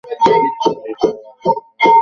এ ছাড়া অন্য কোনো সন্তোষজনক কৈফিয়ৎ তাহার জোগাইল না।